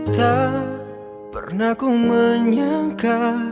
tak pernah ku menyangka